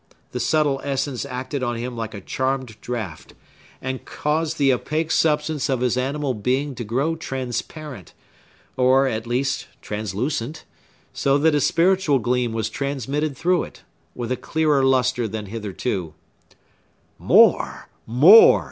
The subtle essence acted on him like a charmed draught, and caused the opaque substance of his animal being to grow transparent, or, at least, translucent; so that a spiritual gleam was transmitted through it, with a clearer lustre than hitherto. "More, more!"